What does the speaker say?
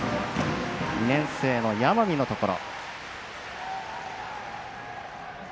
２年生の山見のところ。